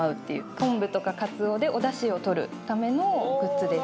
昆布とかかつおでおだしを取るためのグッズです。